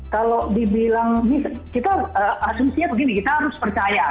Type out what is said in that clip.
kalau dibilang kita asumsinya begini kita harus percaya